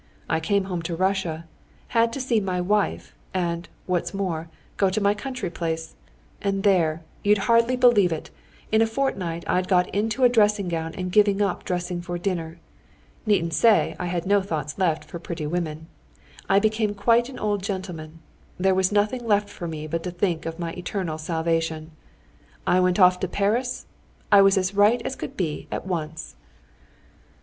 I came home to Russia—had to see my wife, and, what's more, go to my country place; and there, you'd hardly believe it, in a fortnight I'd got into a dressing gown and given up dressing for dinner. Needn't say I had no thoughts left for pretty women. I became quite an old gentleman. There was nothing left for me but to think of my eternal salvation. I went off to Paris—I was as right as could be at once."